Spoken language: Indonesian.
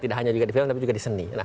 tidak hanya juga di film tapi juga di seni